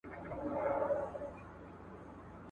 غزل دي نور له دې بازاره سره نه جوړیږي.